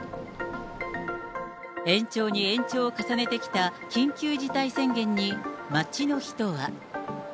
延長に延長を重ねてきた緊急事態宣言に、街の人は。